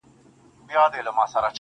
پرون مي دومره اوښكي توى كړې گراني.